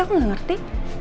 aku gak ngerti